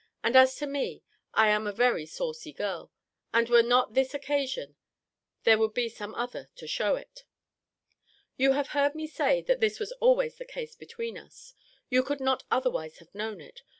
And as to me, I am a very saucy girl; and were not this occasion, there would be some other, to shew it. You have heard me say, that this was always the case between us. You could not otherwise have known it.